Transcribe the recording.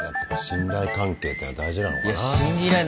信頼関係っていうのは大事なのかな。